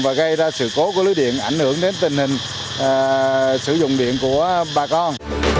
và gây ra sự cố của lưới điện ảnh hưởng đến tình hình sử dụng điện của bà con